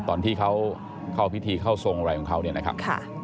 ตอนที่เขาเข้าพิธีเข้าทรงอะไรของเขาเนี่ยนะครับ